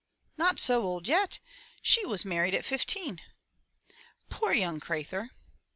"Not so old yet! She was married at fifteen!'* "Poor young craythur!